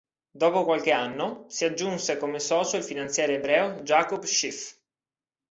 Dopo qualche anno, si aggiunse come socio il finanziere ebreo Jacob Schiff.